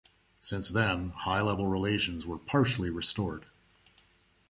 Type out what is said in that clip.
Since then, high-level relations were partially restored.